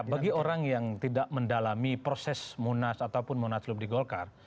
bagi orang yang tidak mendalami proses munas ataupun munaslup di golkar